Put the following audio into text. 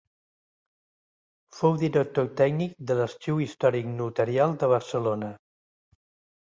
Fou director tècnic de l'Arxiu Històric Notarial de Barcelona.